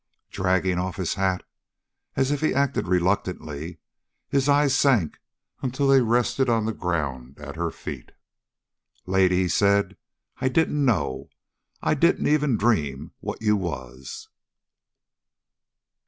Dragging off his hat, as if he acted reluctantly, his eyes sank until they rested on the ground at her feet. "Lady," he said, "I didn't know. I didn't even dream what you was."